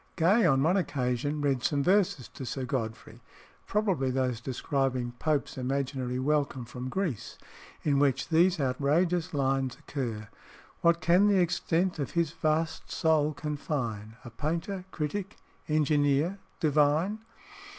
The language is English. Gay on one occasion read some verses to Sir Godfrey (probably those describing Pope's imaginary welcome from Greece) in which these outrageous lines occur "What can the extent of his vast soul confine A painter, critic, engineer, divine?"